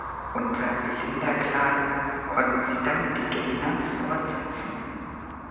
Unter Belinda Clark konnten sie dann die Dominanz fortsetzen.